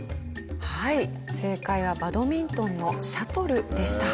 はい正解はバドミントンのシャトルでした。